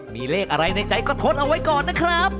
มีเลขอะไรในใจก็ทดเอาไว้ก่อนนะครับ